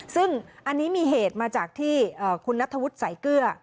ซึ่งอันนี้มีเหตุมาจากที่คุณนัทธวุฒิสายเกลือ